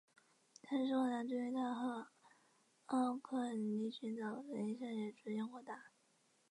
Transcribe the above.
但是苏格兰对于它和奥克尼群岛的影响也逐渐扩大。